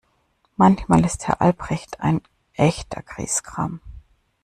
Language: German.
Manchmal ist Herr Albrecht ein echter Griesgram.